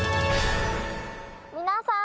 皆さん！